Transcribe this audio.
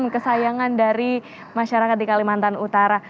kesayangan dari masyarakat di kalimantan utara